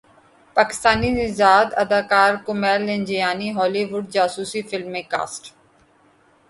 پاکستانی نژاد اداکار Kumail Nanjiani Hollywood جاسوسی فلم میں کاسٹ